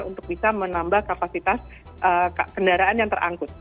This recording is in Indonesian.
untuk bisa menambah kapasitas kendaraan yang terangkut